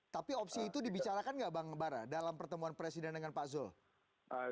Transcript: tapi opsi itu dibicarakan nggak bang bara dalam pertemuan presiden dengan pak zul